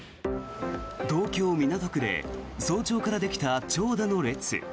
東京・港区で早朝からできた長蛇の列。